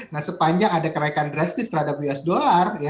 nah sepanjang ada kenaikan drastis terhadap us dollar